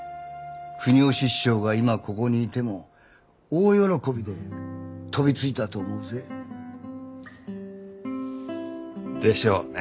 国芳師匠が今ここにいても大喜びで飛びついたと思うぜ。でしょうね。